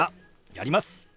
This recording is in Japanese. やります。